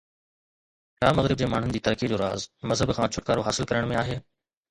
ڇا مغرب جي ماڻهن جي ترقيءَ جو راز مذهب کان ڇوٽڪارو حاصل ڪرڻ ۾ آهي؟